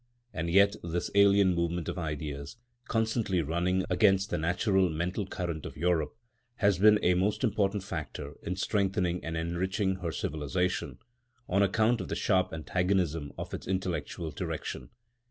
And yet this alien movement of ideas, constantly running against the natural mental current of Europe, has been a most important factor in strengthening and enriching her civilisation, on account of the sharp antagonism of its intellectual direction.